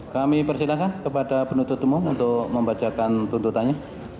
kami persilahkan kepada penutup teman untuk membacakan tuntutannya